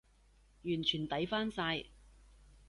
完全抵返晒